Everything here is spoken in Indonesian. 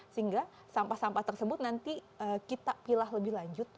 sehingga sampah sampah tersebut nanti kita pilah lebih lanjut